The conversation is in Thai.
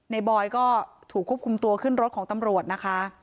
บอยก็ถูกควบคุมตัวขึ้นรถของตำรวจนะคะ